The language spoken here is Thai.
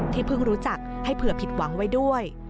เพิ่งรู้จักให้เผื่อผิดหวังไว้ด้วย